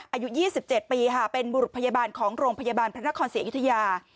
อายุ๒๗ปีค่ะเป็นบุรุษพยาบาลของโรงพยาบาลพระนครศรีอยุธยา